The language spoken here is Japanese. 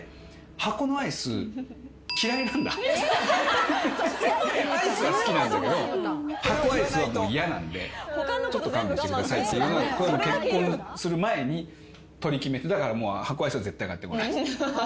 アイスは好きなんだけど箱アイスは嫌なんでちょっと勘弁してくださいっていうのを結婚する前に取り決めてだから箱アイスは絶対買ってこない。